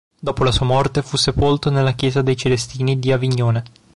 Dopo la sua morte fu sepolto nella chiesa dei celestini di Avignone.